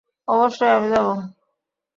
অবশ্যই আমি যাবো।